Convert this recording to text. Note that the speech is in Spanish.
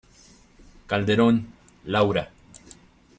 Calderón, Laura.